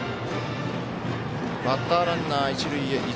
バッターランナー、一塁へ。